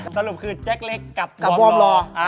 สรุปคือแจ็คเล็กกับวอร์มรอ